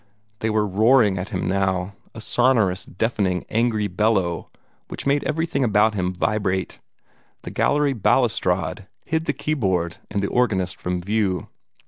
They were roaring at him now a sonorous, deafening, angry bellow, which made everything about him vibrate. The gallery balustrade hid the keyboard and the organist from view.